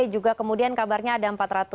juga kemudian kabarnya ada empat ratus enam belas